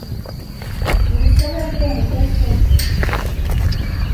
urusobe rwe mudesobwe,